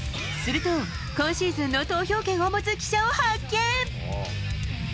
すると、今シーズンの投票権を持つ記者を発見。